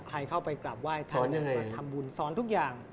ใครเข้าไปกราบไหว้ขอเงินทำบุญซ้อนทุกอย่าง